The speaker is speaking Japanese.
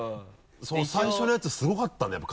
最初のやつすごかったんだやっぱ。